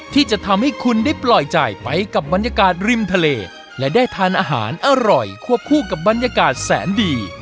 ที่จะทำให้คุณได้ปล่อยใจไปกับบรรยากาศริมทะเลและได้ทานอาหารอร่อยควบคู่กับบรรยากาศแสนดี